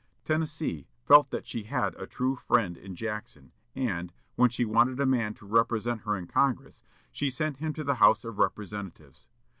Tennessee felt that she had a true friend in Jackson, and, when she wanted a man to represent her in Congress, she sent him to the House of Representatives.